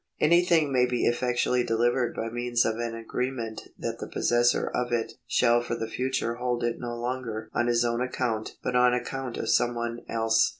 Any thing may be effectually delivered by means of an agreement that the possessor of it shall for the future hold it no longer on his own account but on account of some one else.